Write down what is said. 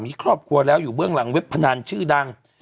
มีครอบครัวแล้วอยู่เบื้องหลังเว็บพนันชื่อดัง